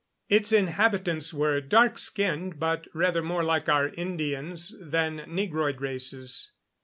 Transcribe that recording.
Its inhabitants were dark skinned, but rather more like our Indians than Negroid races.